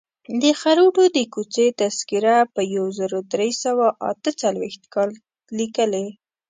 د خروټو د کوڅې تذکره په یو زر درې سوه اته څلویښت کال لیکلې.